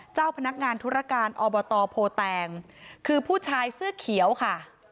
เจ้าพนักงานธุรการอบตโพแตงคือผู้ชายเสื้อเขียวค่ะ